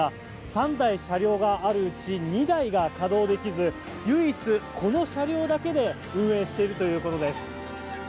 ３台車両があるうち２台が稼働できず唯一、この車両だけで運営しているということです。